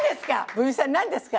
文枝さん何ですか？